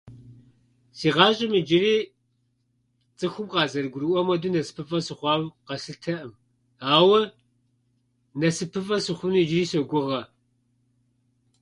Си гъащӏэм иджыри цӏыхум къазэрыгурыӏуэм хуэду насыпыфӏэ сыхъуауэ къэслъытэӏым, ауэ насыпыфӏэ сыхъуну иджыри согугъэ.